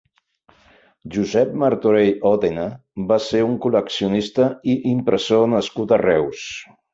Josep Martorell Òdena va ser un col·leccionista i impressor nascut a Reus.